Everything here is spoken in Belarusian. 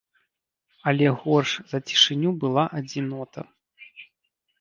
Але горш за цішыню была адзінота.